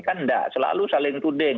kan enggak selalu saling tuding